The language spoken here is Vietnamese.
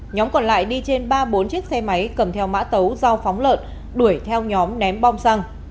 nhóm còn lại đi trên ba bốn chiếc xe máy cầm theo mã tấu dao phóng lợn đuổi theo nhóm ném bom xăng